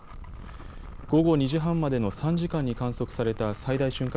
午後２時半までの３時間に観測された最大瞬間